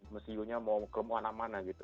mesinnya mau ke mana mana gitu